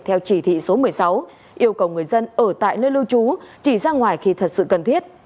theo chỉ thị số một mươi sáu yêu cầu người dân ở tại nơi lưu trú chỉ ra ngoài khi thật sự cần thiết